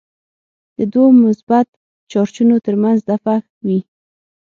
د دوو مثبت چارجونو ترمنځ دفعه وي.